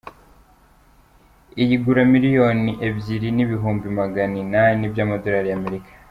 Iyi igura miliyoni ebyiri n’ibihumbi magana inani by’amadolari ya Amerika.